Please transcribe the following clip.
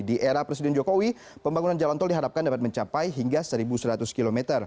di era presiden jokowi pembangunan jalan tol diharapkan dapat mencapai hingga satu seratus km